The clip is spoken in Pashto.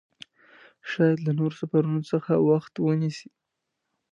شاید له نورو سفرونو څخه وخت ونیسي.